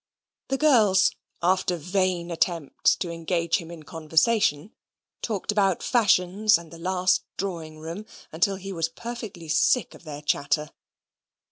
The girls, after vain attempts to engage him in conversation, talked about fashions and the last drawing room until he was perfectly sick of their chatter.